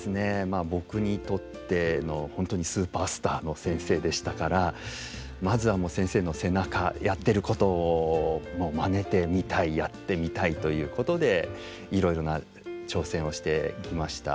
まあ僕にとっての本当にスーパースターの先生でしたからまずは先生の背中やってることをまねてみたいやってみたいということでいろいろな挑戦をしてきました。